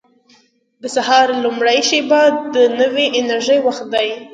• د سهار لومړۍ شېبه د نوې انرژۍ وخت دی.